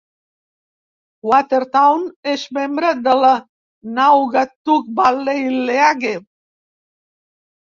Watertown és membre de la Naugatuck Valley League.